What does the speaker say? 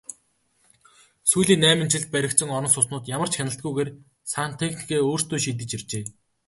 Сүүлийн найман жилд баригдсан орон сууцнууд ямар ч хяналтгүйгээр сантехникээ өөрсдөө шийдэж иржээ.